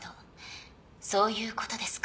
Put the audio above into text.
そういうことですか。